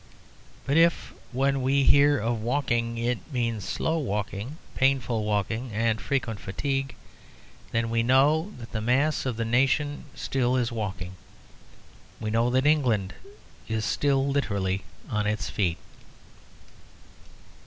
But if when we hear of walking it means slow walking, painful walking, and frequent fatigue, then we know that the mass of the nation still is walking. We know that England is still literally on its feet.